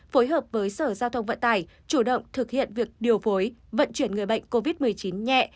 phối hợp với sở giao thông vận tải chủ động thực hiện việc điều phối vận chuyển người bệnh covid một mươi chín nhẹ